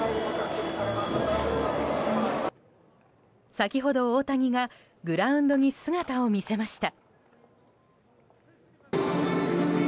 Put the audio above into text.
先ほど、大谷がグラウンドに姿を見せました。